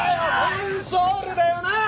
メンソールだよなあ？